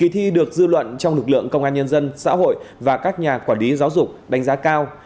tư luận trong lực lượng công an nhân dân xã hội và các nhà quản lý giáo dục đánh giá cao